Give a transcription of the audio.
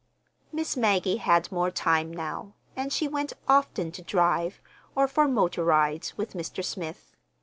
Miss Maggie had more time now, and she went often to drive or for motor rides with Mr. Smith.